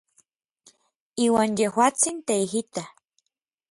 Iuan yejuatsin teijita.